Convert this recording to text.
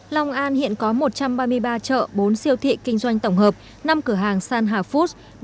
long an hiện có một trăm ba mươi ba chợ bốn siêu thị kinh doanh tổng hợp năm cửa hàng san hà food